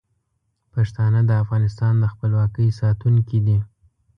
پښتانه د افغانستان د خپلواکۍ ساتونکي دي.